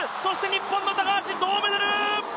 日本の高橋銅メダル！